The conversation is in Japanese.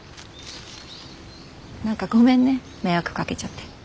何かごめんね迷惑かけちゃって。